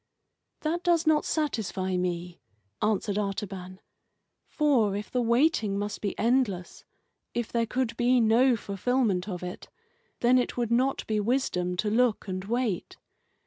"That does not satisfy me," answered Artaban, "for, if the waiting must be endless, if there could be no fulfilment of it, then it would not be wisdom to look and wait.